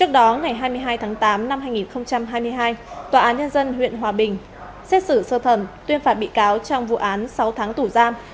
trước đó ngày hai mươi hai tháng tám năm hai nghìn hai mươi hai tòa án nhân dân huyện hòa bình xét xử sơ thẩm tuyên phạt bị cáo trong vụ án sáu tháng tù giam